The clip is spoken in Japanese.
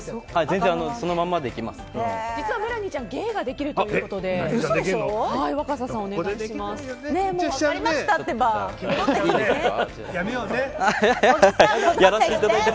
実はメラニーちゃん芸ができるということで小木さん戻ってきて！